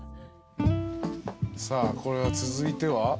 さあこれは続いては？